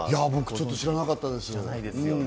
ちょっと知らなかったです。